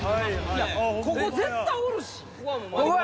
いやここ絶対おるし！